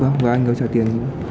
vâng và anh hiếu trả tiền như thế nào